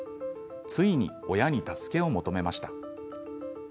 ついに、親に助けを求めました。